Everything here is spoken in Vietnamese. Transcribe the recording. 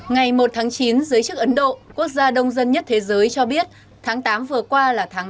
ngày một tháng chín giới chức ấn độ quốc gia đông dân nhất thế giới cho biết tháng tám vừa qua là tháng năm